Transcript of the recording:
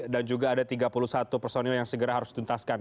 dan juga ada tiga puluh satu personil yang segera harus dituntaskan